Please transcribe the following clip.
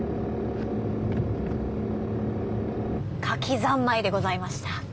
「カキ三昧」でございました！